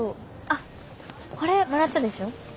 あこれもらったでしょ？